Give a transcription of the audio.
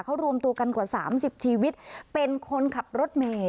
เขารวมตัวกันกว่า๓๐ชีวิตเป็นคนขับรถเมย์